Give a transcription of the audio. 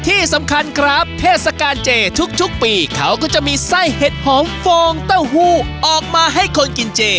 ที่สำคัญครับเทศกาลเจทุกปีเขาก็จะมีไส้เห็ดหอมฟองเต้าหู้ออกมาให้คนกินเจ